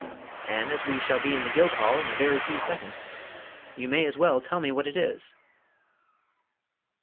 And, as we shall be in the Guildhall in a very few seconds, you may as well tell me what it is!"